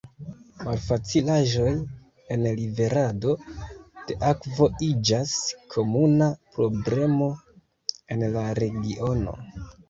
Malfacilaĵoj en liverado de akvo iĝas komuna problemo en la regiono.